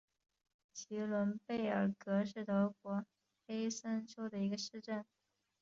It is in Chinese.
齐伦贝尔格是德国黑森州的一个市镇。